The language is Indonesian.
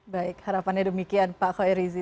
baik harapannya demikian pak khoi rizi